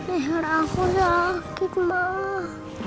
nihra aku sakit mama